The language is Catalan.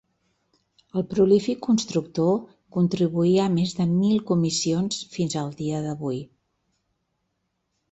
El prolífic constructor contribuir a més de mil comissions fins el dia d'avui.